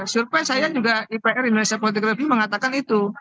survei saya juga ipr indonesia political review mengatakan itu